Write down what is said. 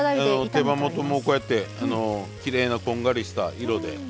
手羽元もこうやってきれいなこんがりした色で。